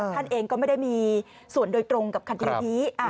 ท่านเองก็ไม่ได้มีส่วนโดยตรงกับคดีนี้